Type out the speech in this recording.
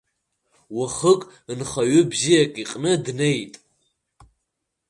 Уахык нхаҩы бзиак иҟны днеит.